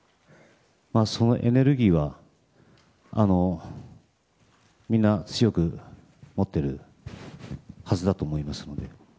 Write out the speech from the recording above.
そのエネルギーはみんな強く持っているはずだと思いますので。